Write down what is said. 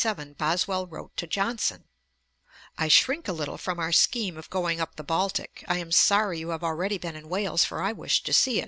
9, 1777, Boswell wrote to Johnson: 'I shrink a little from our scheme of going up the Baltick: I am sorry you have already been in Wales; for I wish to see it.'